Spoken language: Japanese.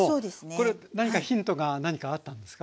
これ何かヒントがあったんですか？